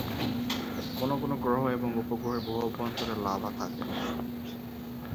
কোনো কোনো গ্রহ এবং উপগ্রহের ভূ-অভ্যন্তরে লাভা থাকে।